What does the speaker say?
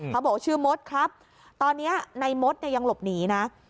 เขาบอกว่าชื่อมดครับตอนนี้นายมดยังหลบหนีนะ